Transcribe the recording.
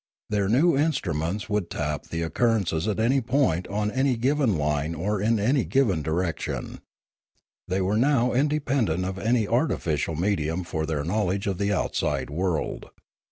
Their new instruments would tap the occurrences at any point on any given line or in any given direction. They were now inde pendent of any artificial medium for their knowledge of the outside world.